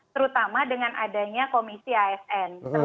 terutama dengan adanya komisi asn